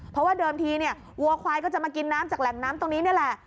เพราะว่าเดิมทีเนี่ยวัวควายก็จะมากินน้ำจากแหล่งน้ำตรงนี้นี่แหละ